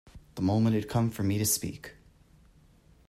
The moment had come for me to speak.